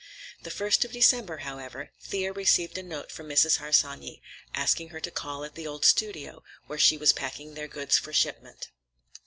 The first of December, however, Thea received a note from Mrs. Harsanyi, asking her to call at the old studio, where she was packing their goods for shipment.